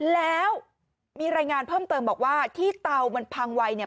แล้วมีรายงานเพิ่มเติมบอกว่าที่เตามันพังไวเนี่ย